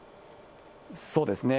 そうですね。